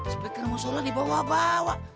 seperti nama sholat dibawa bawa